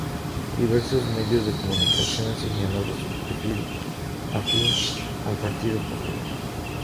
Diversos medios de comunicación han señalado su perfil afín al Partido Popular.